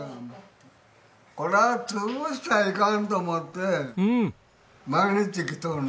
これはつぶしちゃいかんと思って毎日来とるの。